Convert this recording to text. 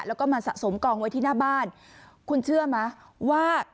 แล้วก็มาสะสมกองไว้ที่หน้าบ้านคุณเชื่อไหมว่า